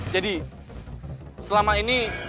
jadi selama ini